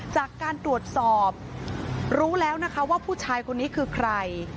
จากการตรวจสอบรู้แล้วนะคะว่าผู้ชายคนนี้คือใคร